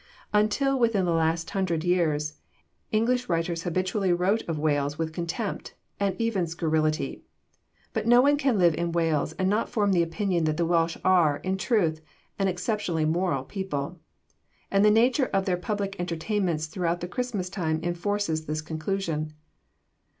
Until within the last hundred years, English writers habitually wrote of Wales with contempt and even scurrility. But no one can live in Wales and not form the opinion that the Welsh are, in truth, an exceptionally moral people; and the nature of their public entertainments throughout the Christmas time enforces this conclusion.